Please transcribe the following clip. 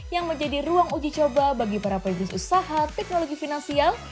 yang menjadi ruang uji coba bagi para pegirus usaha teknologi finansial